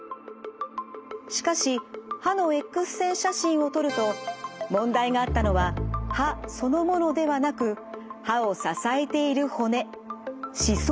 しかし歯のＸ線写真を撮ると問題があったのは歯そのものではなく歯を支えている骨歯槽骨でした。